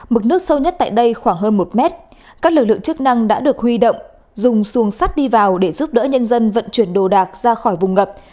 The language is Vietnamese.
mực nước sâu nhất tại đây khoảng hơn một mét các lực lượng chức năng đã được huy động dùng xuồng sắt đi vào để giúp đỡ nhân dân vận chuyển đồ đạc ra khỏi vùng ngập